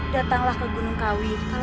datanglah ke gunung kawi kalau kamu ingin kaya